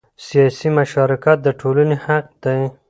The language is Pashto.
سیاسي مشارکت د ټولنې حق دی